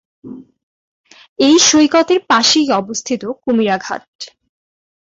এই সৈকতের পাশেই অবস্থিত কুমিরা ঘাট।